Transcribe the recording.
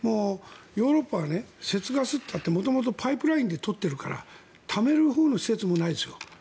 ヨーロッパは節ガスって言ったって元々、パイプラインで取ってるからためる施設もないですよ。